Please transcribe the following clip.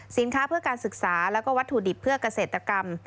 สินค้าเพื่อการศึกษาแล้วก็วัตถุดิบเพื่อเกษตรกรรม